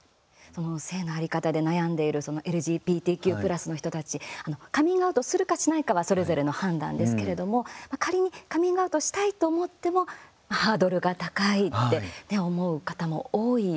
性の在り方で悩んでいるＬＧＢＴＱ＋の人たちカミングアウトするかしないかはそれぞれの判断ですけれども仮にカミングアウトしたいと思ってもハードルが高いって思う方も多いですよね。